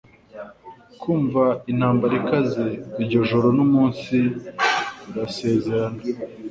Kumva intambara ikaze iryo joro n'umunsi birasezerana